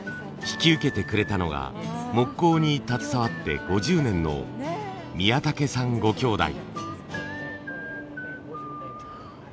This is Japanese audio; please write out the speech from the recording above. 引き受けてくれたのが木工に携わって５０年の宮竹さんご兄弟。